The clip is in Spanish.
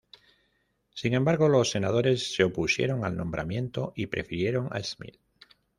Sin embargo, los senadores se opusieron al nombramiento y prefirieron a Smith.